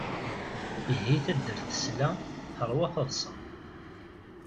Ihi taddart tesla, teṛwa taḍsa.